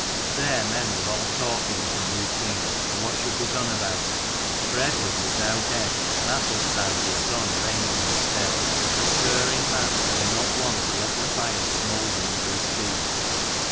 There men were all talking of the new king, and what should be done about him. For Eadward was now dead and Athelstan his son reigned in his stead; a stirring man, and not one to let the fire smoulder under his feet.